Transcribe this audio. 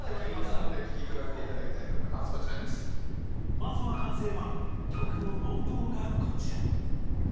まずは完成版曲の冒頭がこちら。